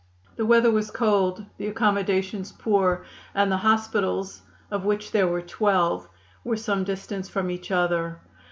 The weather was cold, the accommodations poor and the hospitals, of which there were twelve, were some distance from each other.